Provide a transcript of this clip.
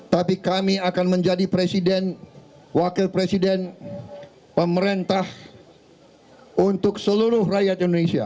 tapi kami akan menjadi presiden wakil presiden pemerintah untuk seluruh rakyat indonesia